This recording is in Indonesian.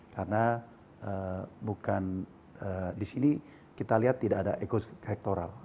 karena bukan di sini kita lihat tidak ada ekospektoral